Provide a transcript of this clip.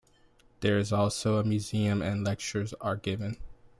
There is also a museum, and lectures are given.